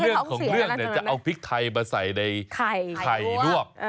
เรื่องของเรื่องเนี่ยจะเอาพริกไทยมาใส่ในไข่ลวก